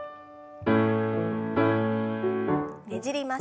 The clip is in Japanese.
ねじります。